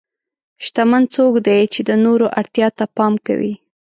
شتمن څوک دی چې د نورو اړتیا ته پام کوي.